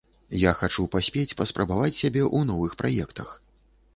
Я хачу паспець паспрабаваць сябе ў новых праектах.